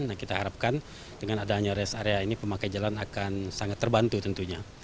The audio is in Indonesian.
nah kita harapkan dengan adanya rest area ini pemakai jalan akan sangat terbantu tentunya